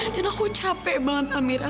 dan aku capek banget hamira